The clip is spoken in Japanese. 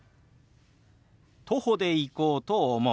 徒歩で行こうと思う。